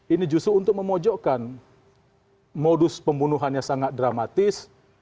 ini justru untuk memojokkan modus pembunuhannya sangat dramatis